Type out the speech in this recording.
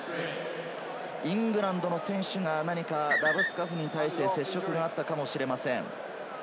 イングランドの選手が何かラブスカフニに対して接触があったかもしれません。